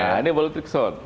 nah ini baru trickshot